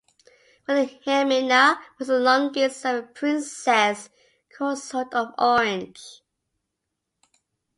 Wilhelmina was the longest serving Princess consort of Orange.